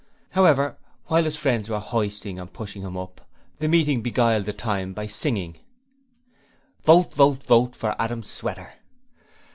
However, while his friends were hoisting and pushing him up, the meeting beguiled the time by singing: 'Vote, vote, vote for Adam Sweater.'